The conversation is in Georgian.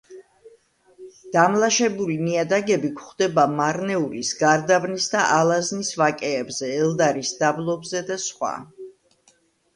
დამლაშებული ნიადაგები გვხვდება მარნეულის, გარდაბნისა და ალაზნის ვაკეებზე, ელდარის დაბლობზე და სხვა.